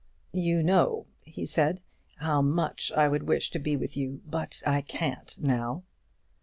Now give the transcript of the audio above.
"You know," he said, "how much I would wish to be with you, but I can't now."